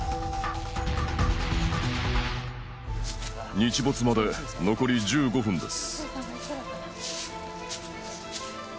日没まで残り１５分です